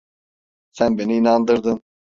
Sen beni inandırdın…